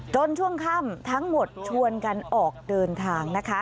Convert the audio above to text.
ช่วงค่ำทั้งหมดชวนกันออกเดินทางนะคะ